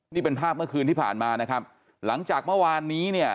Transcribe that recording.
นี่เป็นภาพเมื่อคืนที่ผ่านมานะครับหลังจากเมื่อวานนี้เนี่ย